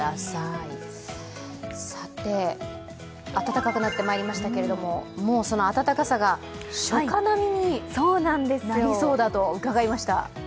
さて、暖かくなってまいりましたけれどもその暖かさが初夏並みになりそうだと伺いました。